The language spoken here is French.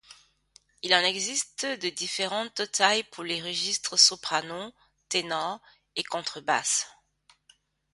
Il en existe de différentes tailles pour les registres soprano, ténor et contrebasse.